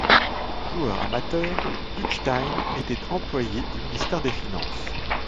Joueur amateur, Dückstein était employé du ministère des finances.